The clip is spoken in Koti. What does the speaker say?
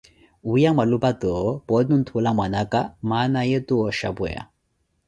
Wiiya mwalupa toowo, pooti onthuula mwana aka, mana ye tooxhapweya.